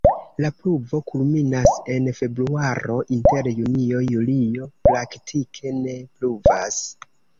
La pluvo kulminas en februaro, inter junio-julio praktike ne pluvas.